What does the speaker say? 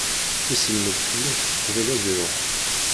Isellem-d fell-ak uqbel ad iruḥ.